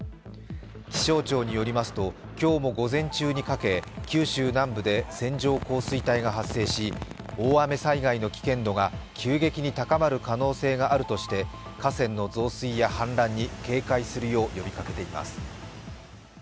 気象庁によりますと、今日も午前中にかけ九州南部で線状降水帯が発生し、大雨災害の危険度が急激に高まる可能性があるとして河川の増水や氾濫に警戒するよう呼びかけています。